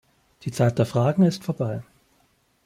Die Zeit der Fragen ist vorbei.